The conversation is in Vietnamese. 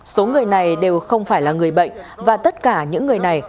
số người này đều không phải là người bệnh và tất cả những người này